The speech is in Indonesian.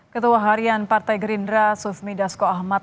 ketua harian partai gerindra sufmi dasko ahmad